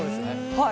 はい。